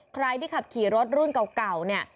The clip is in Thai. ใครที่ขับขี่รถรุ่นเก่าเนี่ย